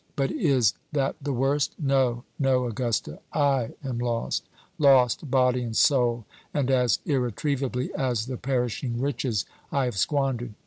But is that the worst? No, no, Augusta; I am lost lost, body and soul, and as irretrievably as the perishing riches I have squandered.